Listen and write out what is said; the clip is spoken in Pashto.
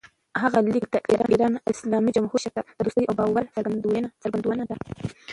هغه لیک د ایران اسلامي جمهوریت مشر ته د دوستۍ او باور څرګندونه ده.